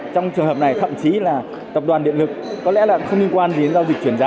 trong trường hợp này thậm chí là tập đoàn điện lực có lẽ là không liên quan gì đến giao dịch chuyển giá